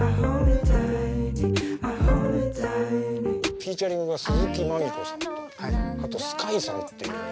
フィーチャリングが鈴木真海子さんとあとＳｋａａｉさんっていうね